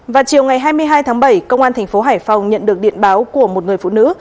vào chiều ngày hai mươi hai tháng bảy công an thành phố hải phòng nhận được điện báo của một người phụ nữ